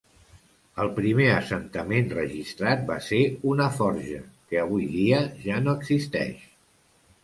El primer assentament registrat va ser una forja, que avui dia ja no existeix.